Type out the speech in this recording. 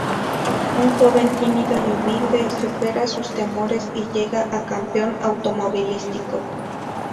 Un joven tímido y humilde supera sus temores y llega a campeón automovilístico.